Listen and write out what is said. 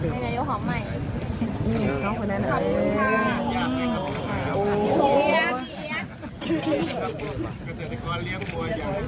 มันยากนะครับมันก็ได้มันยก